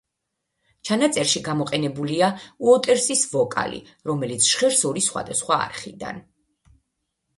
ჩანაწერში გამოყენებულია უოტერსის ვოკალი, რომელიც ჟღერს ორი სხვადასხვა არხიდან.